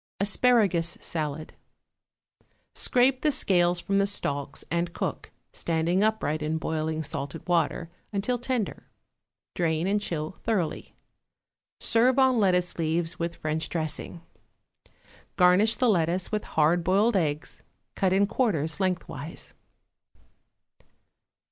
=Asparagus Salad.= Scrape the scales from the stalks, and cook, standing upright in boiling salted water, until tender; drain and chill thoroughly. Serve on lettuce leaves with French dressing. Garnish the lettuce with hard boiled eggs cut in quarters lengthwise.